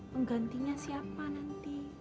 penggantinya siapa nanti